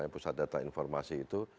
pusat data informasi itu